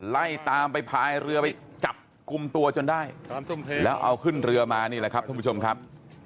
ไล่ตามไปพายเรือไปจับกลุ่มตัวจนได้แล้วเอาขึ้นเรือมานี่แหละครับท่านผู้ชมครับ